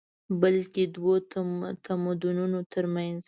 بلکې دوو تمدنونو تر منځ